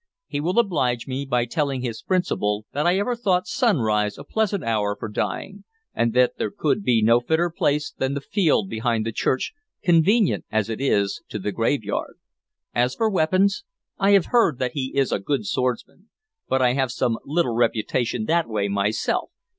He will oblige me by telling his principal that I ever thought sunrise a pleasant hour for dying, and that there could be no fitter place than the field behind the church, convenient as it is to the graveyard. As for weapons, I have heard that he is a good swordsman, but I have some little reputation that way myself.